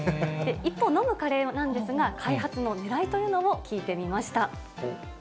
一方、飲むカレーなんですが、開発のねらいというのも聞いてみました。